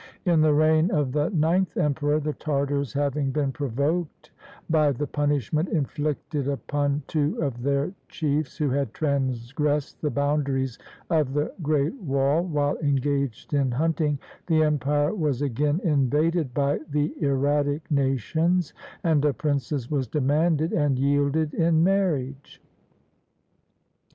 In the reign of the ninth emperor, the Tartars having been provoked by the punishment inflicted upon two of their chiefs 50 THE RULE OF THE HANS who had transgressed the boundaries of the Great Wall while engaged in hunting, the empire was again invaded by the "erratic nations," and a princess was demanded and yielded in marriage.